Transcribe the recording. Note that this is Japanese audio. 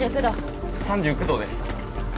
３９度です。